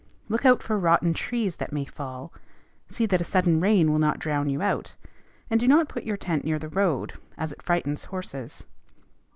Look out for rotten trees that may fall; see that a sudden rain will not drown you out; and do not put your tent near the road, as it frightens horses.